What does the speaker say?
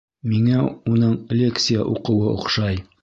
Миңә уның лекция уҡыуы оҡшай